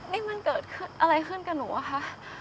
นี่มันเกิดอะไรขึ้นกับหนูอะคะ